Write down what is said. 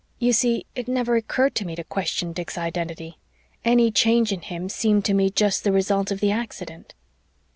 You see, it never occurred to me to question Dick's identity. Any change in him seemed to me just the result of the accident.